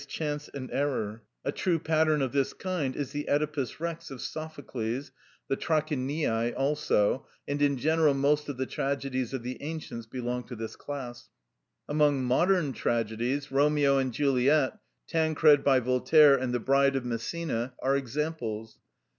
_, chance and error; a true pattern of this kind is the Œdipus Rex of Sophocles, the "Trachiniæ" also; and in general most of the tragedies of the ancients belong to this class. Among modern tragedies, "Romeo and Juliet," "Tancred" by Voltaire, and "The Bride of Messina," are examples.